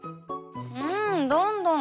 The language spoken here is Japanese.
うんどんどん。